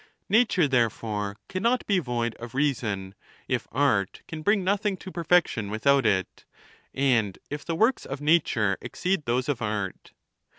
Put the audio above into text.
Nature, therefore, cannot be void of reason, if art can bring nothing to per fection without it, and if the works of nature exceed those of art.